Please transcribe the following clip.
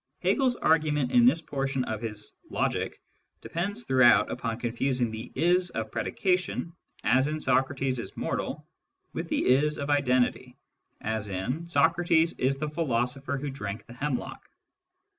HcgePs argument in this portion of his "Logic*' depends throughout upon confusing the "is" of predication, as in " Socrates is mortal, with the " is " of identity, as in " Socrates is the philosopher who drank the hemlock."